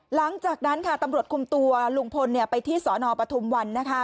หลังจากนั้นค่ะตำรวจคุมตัวลุงพลไปที่สนปฐุมวันนะคะ